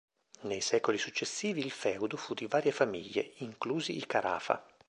Nei secoli successivi il feudo fu di varie famiglie, inclusi i Carafa.